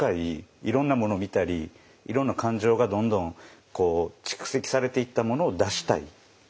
いろんなものを見たりいろんな感情がどんどん蓄積されていったものを出したい。